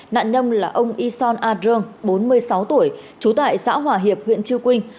nạn nhân là ông yson adrong bốn mươi sáu tuổi trú tại xã hòa hiệp huyện chư quynh